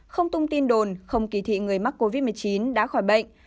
không tung tin đồn không kỳ thị người mắc covid một mươi chín đã khỏi bệnh